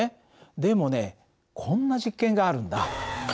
でもねこんな実験があるんだ。